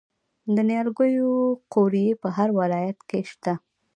د نیالګیو قوریې په هر ولایت کې شته.